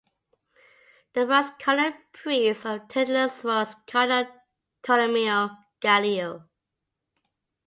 The first cardinal priest of the "titulus" was Cardinal Tolomeo Gallio.